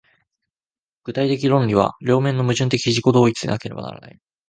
具体的論理は両面の矛盾的自己同一でなければならない。